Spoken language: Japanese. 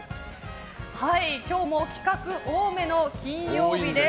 今日も企画多めの金曜日です。